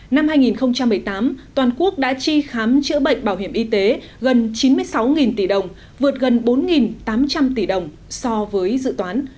năm hai nghìn một mươi tám toàn quốc đã tri khám chữa bệnh bảo hiểm y tế gần chín mươi sáu tỷ đồng vượt gần bốn tám trăm linh tỷ đồng so với dự toán